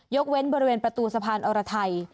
กเว้นบริเวณประตูสะพานอรไทย